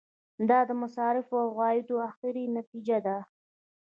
دا د مصارفو او عوایدو اخري نتیجه ده.